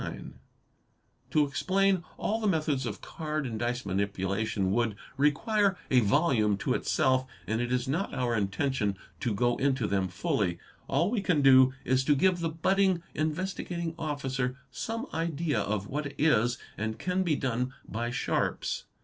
| To explain all the methods of card and dice manipulation would require a volume to itself and it is not our intention to go into them fully; 830 CHEATING AND FRAUD all we can do is to give the budding Investigating Officer some idea of what is and can be done by sharps.